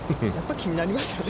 気になりますね。